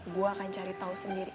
gue akan cari tahu sendiri